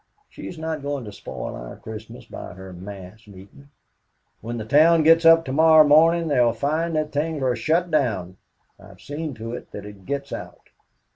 She's not going to spoil our Christmas by her mass meetin'. When the town gets up to morrow morning, they will find that things are shut down. I have seen to it that it gets out.